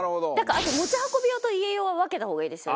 あと持ち運び用と家用を分けた方がいいですよね。